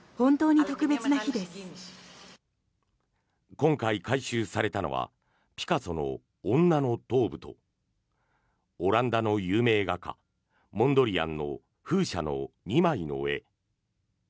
今回回収されたのはピカソの「女の頭部」とオランダの有名画家モンドリアンの「風車」の２枚の絵。